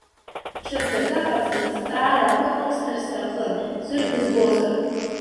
Ҽыргаӡа ҟаҵаны зҵаарақәак рысҭар сҭахын, ӡәыр дызбозар.